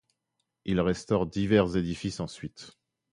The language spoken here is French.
Il restaure divers édifices ensuite.